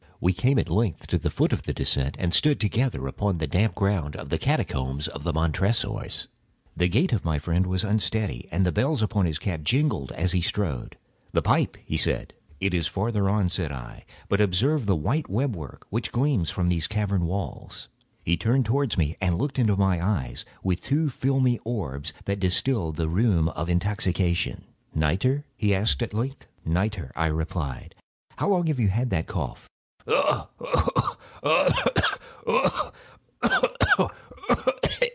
We came at length to the foot of the descent, and stood together on the damp ground of the catacombs of the Montresors. The gait of my friend was unsteady, and the bells upon his cap jingled as he strode. "The pipe," said he. "It is farther on," said I; "but observe the white web work which gleams from these cavern walls." He turned towards me, and looked into my eyes with two filmy orbs that distilled the rheum of intoxication. "Nitre?" he asked, at length. "Nitre," I replied. "How long have you had that cough?" "Ugh! ugh! ugh!—ugh! ugh! ugh!—ugh! ugh! ugh!—ugh! ugh! ugh!—ugh! ugh! ugh!"